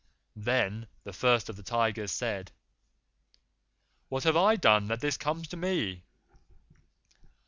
Then the First of the Tigers said: 'What have I done that this comes to me?